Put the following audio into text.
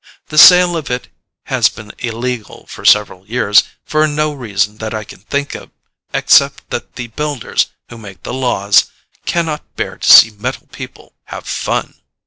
The sale of it has been illegal for several years, for no reason that I can think of except that the Builders, who make the laws, can not bear to see metal people have fun.